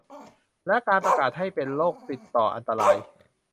และการประกาศให้เป็นโรคติดต่ออันตราย